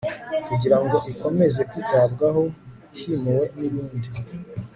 kugira ngo ikomeze kwitabwaho himuwe n ibindi